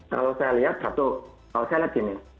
kalau saya lihat satu kalau saya lihat gini